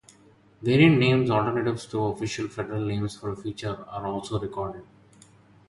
Variant names, alternatives to official federal names for a feature, are also recorded.